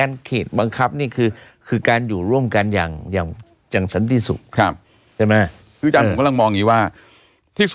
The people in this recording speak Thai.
มันแคทบังคับการอยู่ร่วมกันอย่างสันนี่สุ